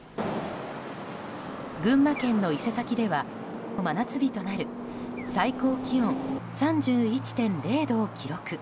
群馬県の伊勢崎では真夏日となる最高気温３１．０度を記録。